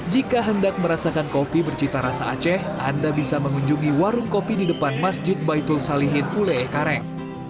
jika hendak merasakan kopi bercita rasa aceh anda bisa mengunjungi warung kopi di depan masjid baitul salihin ule karem